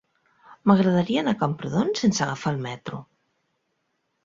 M'agradaria anar a Camprodon sense agafar el metro.